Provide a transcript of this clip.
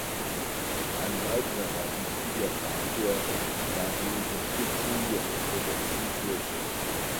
Ein weiterer wichtiger Faktor war die Unterstützung der orthodoxen Kirche.